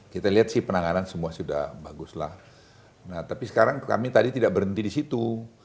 kita lihat sih penanganan semua sudah baguslah nah tapi sekarang kami tadi tidak berhenti disitu